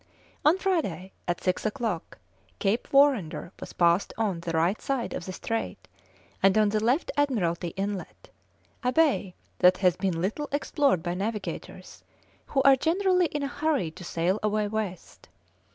On Friday, at six o'clock, Cape Warender was passed on the right side of the strait, and on the left Admiralty Inlet, a bay that has been little explored by navigators, who are generally in a hurry to sail away west.